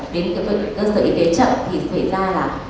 đến cái cơ sở y tế chậm thì xảy ra là